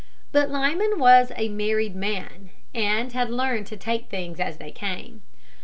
But Lyman was a married man, and had learned to take things as they came.